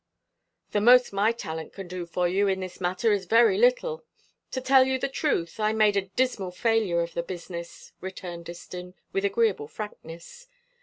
"The most my talent can do for you in this matter is very little; to tell you the truth, I made a dismal failure of the business," returned Distin, with agreeable frankness.